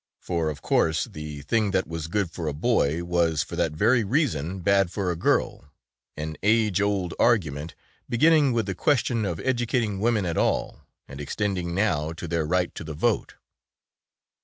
For of course the thing that was good for a boy was for that very reason bad for a girl, an age old argument, beginning with the question of educating women at all and extending now to their right to the vote.